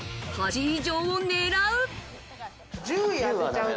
８位以上を狙う。